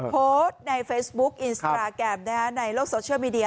โพสต์ในเฟซบุ๊คอินสตราแกรมในโลกโซเชียลมีเดีย